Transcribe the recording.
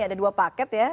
ada dua paket ya